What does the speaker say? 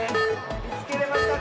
みつけれましたか？